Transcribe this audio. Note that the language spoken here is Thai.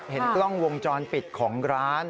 เห็นกล้องวงจรปิดของร้าน